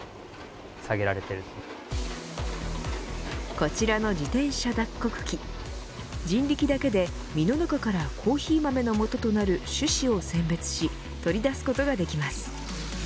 こちらの自転車脱穀機人力だけで実の中からコーヒー豆の元となる種子を選別し取り出すことができます。